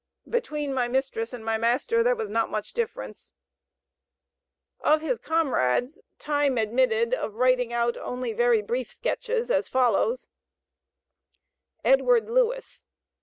"Between my mistress and my master there was not much difference." Of his comrades time admitted of writing out only very brief sketches, as follows: EDWARD LEWIS.